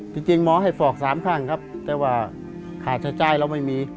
ที่จริงม้อให้ฟอก๓ครั้งแต่ว่าขาชาใจแล้วไม่มี